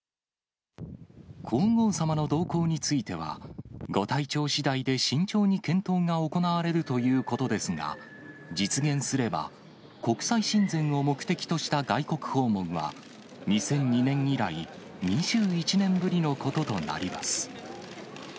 皇后さまの同行については、ご体調しだいで慎重に検討が行われるということですが、実現すれば、国際親善を目的とした外国訪問は、２００２年以来、２１年ぶりのこととなります。